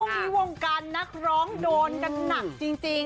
วงนี้วงการนักร้องโดนกันหนักจริง